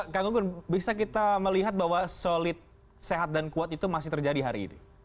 kang gunggun bisa kita melihat bahwa solid sehat dan kuat itu masih terjadi hari ini